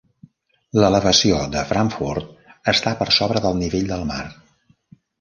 L'elevació de Frankfort està per sobre del nivell del mar.